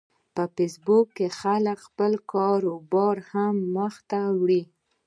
په فېسبوک کې خلک خپل کاروبارونه هم پرمخ وړي